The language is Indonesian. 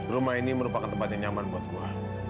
rumah ini merupakan tempat yang nyaman buat gue